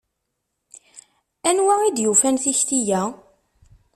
Anwa i d-yufan tikti-a?